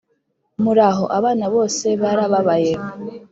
muraho, abana bose barababaye